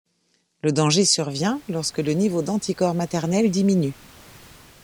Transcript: Le danger survient lorsque le niveau d’anticorps maternels diminue.